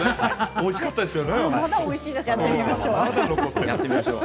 おいしかったですよ。